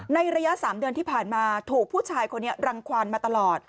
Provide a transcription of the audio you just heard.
ในระยะ๓เดือนที่ผ่านมาถูกผู้ชายคนนี้รังความมาตลอด